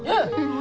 何？